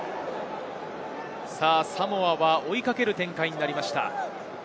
サモアは追いかける展開になりました。